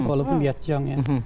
walaupun dia ciong ya